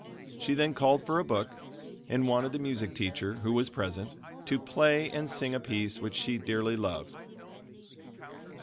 She then called for a book and wanted the music teacher, who was present, to play and sing a piece which she dearly loved.